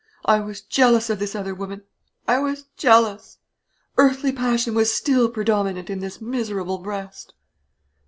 I was jealous of this other woman; I was jealous! Earthly passion was still predominant in this miserable breast."